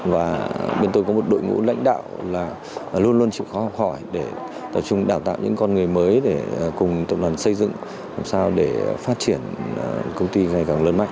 và bên tôi có một đội ngũ lãnh đạo là luôn luôn chịu khó học hỏi để tập trung đào tạo những con người mới để cùng tập đoàn xây dựng làm sao để phát triển công ty ngày càng lớn mạnh